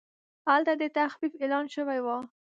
هلته د تخفیف اعلان شوی و.